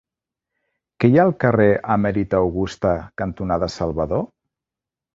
Què hi ha al carrer Emèrita Augusta cantonada Salvador?